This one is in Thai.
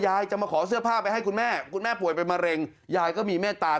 จะมาขอเสื้อผ้าไปให้คุณแม่คุณแม่ป่วยเป็นมะเร็งยายก็มีเมตตา